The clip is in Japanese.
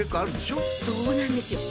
そうなんですよ。